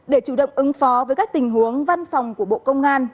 để chủ động ứng phó với các tình huống văn phòng của bộ công an